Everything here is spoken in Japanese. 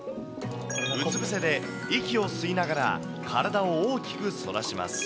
うつ伏せで息を吸いながら体を大きく反らします。